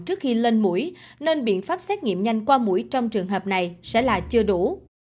trước khi lên mũi nên biện pháp xét nghiệm nhanh qua mũi trong trường hợp này sẽ là chưa đủ